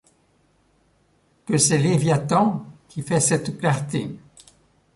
Que c’est Léviathan qui fait cette-clarté.